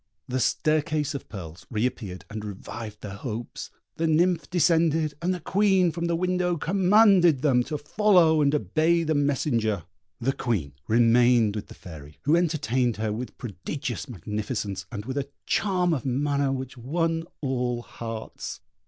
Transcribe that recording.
The staircase of pearls re appeared and revived their hopes; the nymph descended, and the Queen from the window commanded them to follow and obey the messenger. The Queen remained with the Fairy, who entertained her with prodigious magnificence, and with a charm of manner which won all hearts.